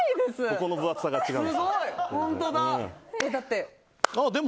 ここの分厚さが違うので。